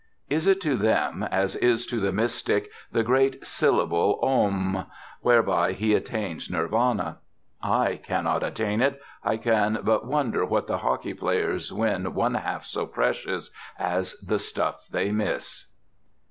Is it to them as is to the mystic "the great syllable Om" whereby he attains Nirvana? I cannot attain it; I can but wonder what the hockey players win one half so precious as the stuff they miss.